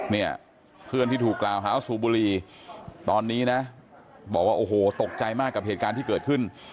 เนี่ยเพื่อนที่ถูกกล่าวหาว่าสูบบุรีตอนนี้นะบอกว่าโอ้โหตกใจมากกับเหตุการณ์ที่เกิดขึ้น